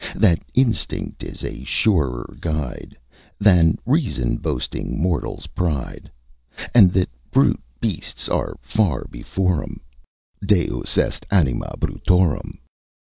That instinct is a surer guide Than reason boasting mortals pride; And, that brute beasts are far before 'em, Deus est anima brutorum.